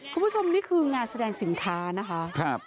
คุณผู้ชมนี่คืองานแสดงสินค้านะคะ